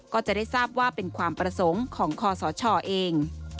ก็จะได้ทราบว่าเป็นความประสงค์ของคอสชเอง